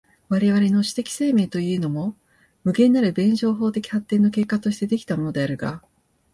我々の種的生命というものも、無限なる弁証法的発展の結果として出来たものであるが、